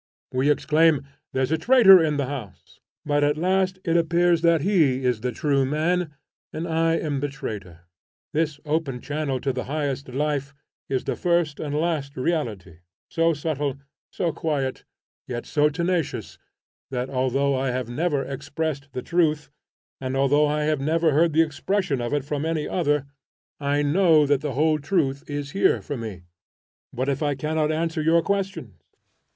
We exclaim, 'There's a traitor in the house!' but at last it appears that he is the true man, and I am the traitor. This open channel to the highest life is the first and last reality, so subtle, so quiet, yet so tenacious, that although I have never expressed the truth, and although I have never heard the expression of it from any other, I know that the whole truth is here for me. What if I cannot answer your questions?